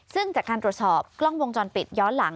ซึ่งจากการตรวจสอบกล้องวงจรปิดย้อนหลัง